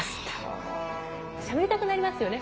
しゃべりたくなりますよね